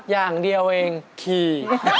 อย่างเดียวเองขี่